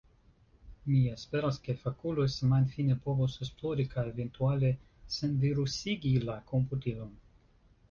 Mi esperas, ke fakuloj semajnfine povos esplori kaj eventuale senvirusigi la komputilon.